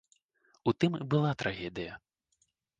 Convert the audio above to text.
У тым і была трагедыя.